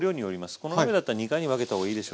この鍋だったら２回に分けた方がいいでしょうね。